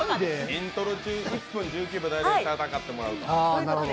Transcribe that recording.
イントロ中、１分１９秒の間に戦ってもらうと。